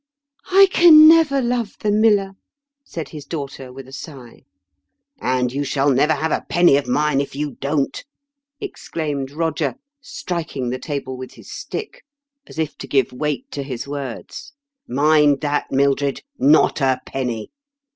" I can never love the miller," said his daughter with a sigh. "And you shall never have a penny of mine if you don't," exclaimed Eoger, striking the table with his stick, as if to give weight to 4 90 m KENT WITH CHARLES JDICKENa. his words. "Mind that, Mildred. Not a penny.